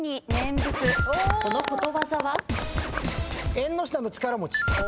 縁の下の力持ち。